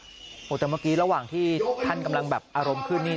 แต่เมื่อกี้ระหว่างที่ท่านกำลังอารมณ์ขึ้น